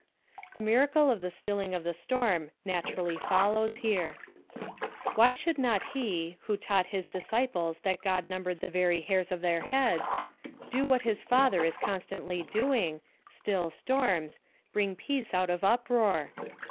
The miracle of the stilling of the storm naturally follows here. Why should not he, who taught his disciples that God numbered the very hairs of their heads, do what his Father is constantly doing still storms bring peace out of uproar?